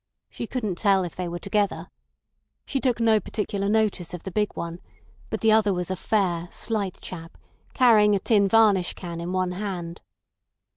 "She couldn't tell if they were together. She took no particular notice of the big one, but the other was a fair, slight chap, carrying a tin varnish can in one hand."